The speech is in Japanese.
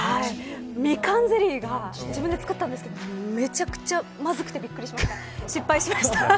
ミカンゼリーが自分で作ったんですけどめちゃくちゃまずくてびっくりしました。